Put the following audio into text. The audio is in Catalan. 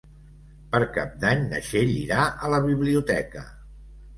Per Cap d'Any na Txell irà a la biblioteca.